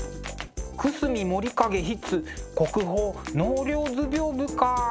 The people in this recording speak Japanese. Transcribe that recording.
久隅守景筆国宝「納涼図屏風」か。